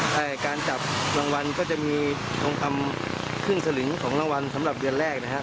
แต่การจับรางวัลก็จะมีทองคำครึ่งสลิงของรางวัลสำหรับเดือนแรกนะครับ